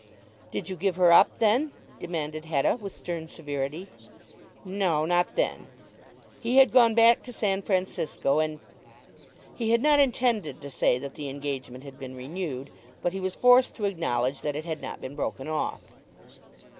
"Did you give her up then?" demanded Hetta with stern severity. No, not then. He had gone back to San Francisco, and, he had not intended to say that the engagement had been renewed, but he was forced to acknowledge that it had not been broken off.